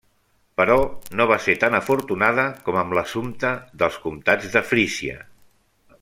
Però no va ser tan afortunada com amb l'assumpte dels comtats de Frísia.